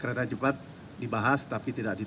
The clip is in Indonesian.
kereta cepat dibahas tapi tidak di